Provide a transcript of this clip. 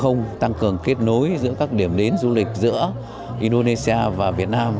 không tăng cường kết nối giữa các điểm đến du lịch giữa indonesia và việt nam